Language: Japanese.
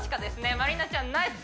まりなちゃんナイス！